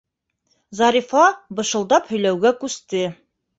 Зарифа бышылдап һөйләүгә күсте.